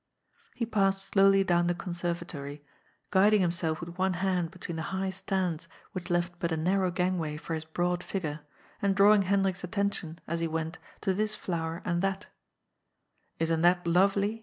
He passed slowly down the conservatory, guiding him self with one hand between the high stands which left but a narrow gangway for his broad figure, and drawing Hen drik's attention, as he went, to this flower and that ^' Isn't that lovely